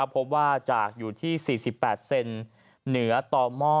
พบว่าจากอยู่ที่๔๘เซนเหนือต่อหม้อ